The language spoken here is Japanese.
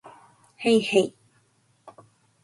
へいへい